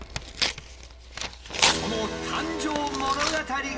その誕生物語がこちら！